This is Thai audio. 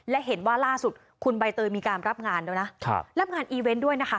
และเห็นว่าล่าสุดคุณใบเตยมีการรับงานด้วยนะรับงานอีเวนต์ด้วยนะคะ